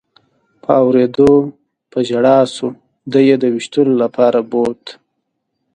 په اورېدو په ژړا شو، دی یې د وېشتلو لپاره بوت.